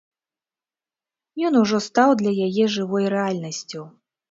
Ён ужо стаў для яе жывой рэальнасцю.